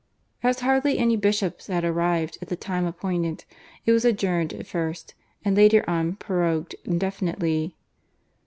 As hardly any bishops had arrived at the time appointed it was adjourned at first, and later on prorogued indefinitely.